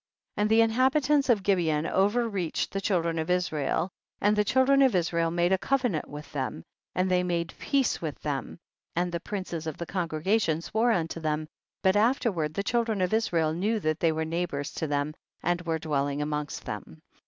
5L And the inhabitants of Gibeon over reached the children of Israel, and the children of Israel made a covenant with them, and they made 260 THE BOOK OF JASHER. peace with them, and the princes of the congregation swore unto them, but afterward the children of Israel knew that they were neighbors to them and were dwelling amongst them.